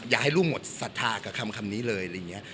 อยากให้ลูกหมดศรัทธากับคำนี้เลยอะไรอย่างนี้